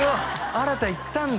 新太いったんだ